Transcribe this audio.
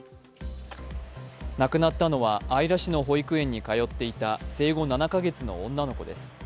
亡くなったのは姶良市の保育園に通っていた生後７か月の女の子です。